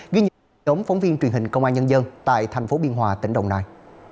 ghi nhận từ nhóm phóng viên truyền hình công an nhân dân tại tp biên hòa tỉnh đồng nai